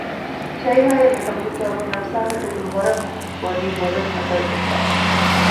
ޝައިހާއަށް މިކަމުގެ ސަބަބުން ނަފްސާނީ ގޮތުން ވަރަށް ވަނީ ބޮޑަށް އަސަރު ކޮއްފަ